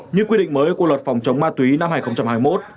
như quy định mới của luật phòng chống ma túy năm hai nghìn hai mươi một